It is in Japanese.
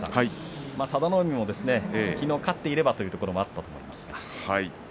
佐田の海もきのう勝っていればというところもあったと思いますが。